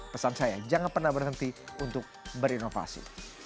pesan saya jangan pernah berhenti untuk berinovasi